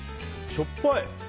しょっぱい！